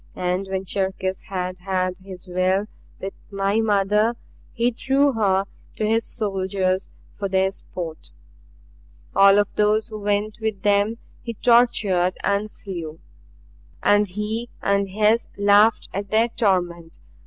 And when Cherkis had had his will with my mother he threw her to his soldiers for their sport. "All of those who went with them he tortured and slew and he and his laughed at their torment.